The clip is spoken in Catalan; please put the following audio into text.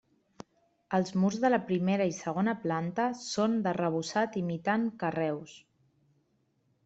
Els murs de la primera i segona planta són d'arrebossat imitant carreus.